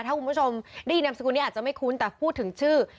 ถ้าคุณผู้ชมได้ยินนามสกุลนี้อาจจะไม่คุ้นแต่พูดถึงชื่อ